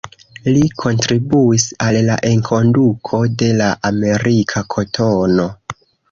Li kontribuis al la enkonduko de la amerika kotono.